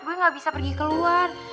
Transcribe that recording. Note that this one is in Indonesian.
gue gak bisa pergi keluar